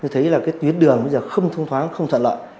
tôi thấy là cái tuyến đường bây giờ không thông thoáng không thuận lợi